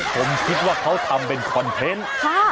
ผมคิดว่าเขาทำเป็นคอนเทนต์